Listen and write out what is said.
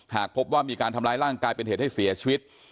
หากพบว่ามีการทำร้ายร่างกายเป็นเหตุให้เสียชีวิต